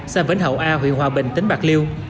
xa vỉnh hậu a huyện hòa bình tỉnh bạc liêu